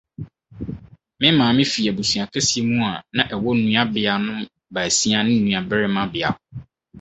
Na Maame fi abusua kɛse mu a na ɔwɔ nuabeanom baasia ne nuabarima biako.